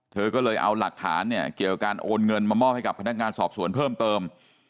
เธอก็เลยเอาหลักฐานเนี่ยเกี่ยวกับการโอนเงินมามอบให้กับพนักงานสอบสวนเพิ่มเติม